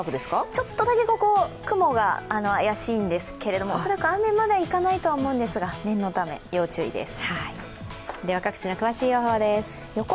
ちょっとだけ雲が怪しいんですけども、恐らく雨まではいかないと思いますが、念のため要注意です。